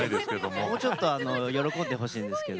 もうちょっと喜んでほしいんですけど。